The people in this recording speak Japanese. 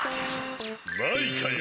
マイカよ。